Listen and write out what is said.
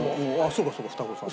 そうかそうか双子さん。